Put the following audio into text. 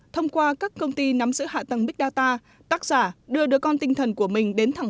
thông qua các công ty nắm giữ hạ tầng big data tác giả đưa đứa con tinh thần của mình đến thẳng